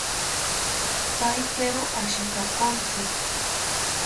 Pahitero ashitakontzi